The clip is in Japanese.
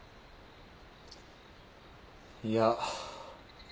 いや。